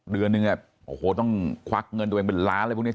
เดือนนึงเนี่ยโอ้โหต้องควักเงินตัวเองเป็นล้านอะไรพวกนี้